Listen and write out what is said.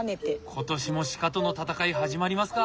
今年も鹿との戦い始まりますか！